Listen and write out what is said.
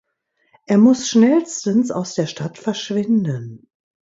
Er muss schnellstens aus der Stadt verschwinden.